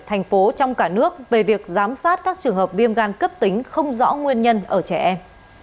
thành phố trong cả nước về việc giám sát các trường hợp viêm gan cấp tính không rõ nguyên nhân ở trẻ em